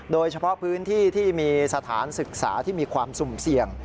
โดยเฉพาะพื้นที่ที่มีสถานศึกษาที่มีความสุ่มเสี่ยง